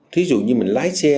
thí dụ như mình lái xe